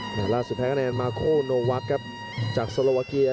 หล่าสุดแพ้คะแนนมาโคโนวัชครับจากสัวรวะเกียร์